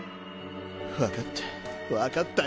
分かった。